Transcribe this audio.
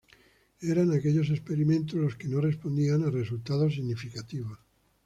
Eran aquellos experimentos los que no respondían a resultados significativos.